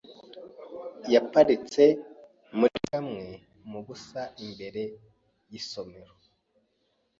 yaparitse muri kamwe mu busa imbere yisomero.